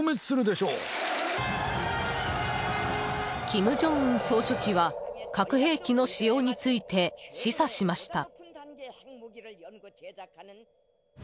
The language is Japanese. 金正恩総書記は核兵器の使用について示唆しました。